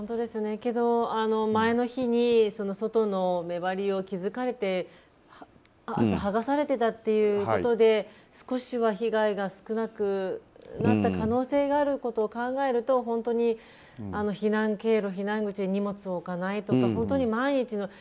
昨日、前の日に外の目張りを気付かれて朝、剥がされてたということで少しは被害が少なくなった可能性があることを考えると本当に避難経路、避難口に荷物を置かないとか、万一の。